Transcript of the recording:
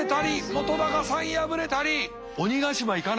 本さん敗れたり！